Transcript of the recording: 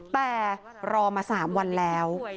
แต่รอมา๓วันแล้ว